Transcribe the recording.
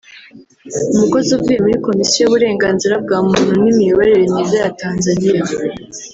umukozi uvuye muri komisiyo y’uburenganzira bwa muntu n’imiyoborere myiza ya Tanzania